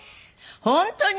本当に？